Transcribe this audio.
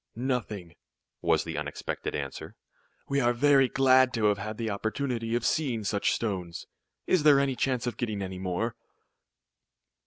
"Nothing," was the unexpected answer. "We are very glad to have had the opportunity of seeing such stones. Is there any chance of getting any more?"